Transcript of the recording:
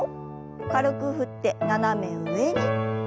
軽く振って斜め上に。